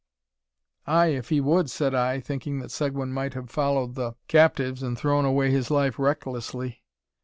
"Ay, if he would," said I, thinking that Seguin might have followed the captives, and thrown away his life recklessly.